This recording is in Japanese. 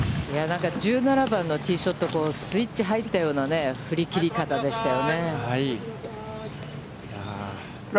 何か１７番のティーショット、スイッチが入ったような振り切り方でしたよね。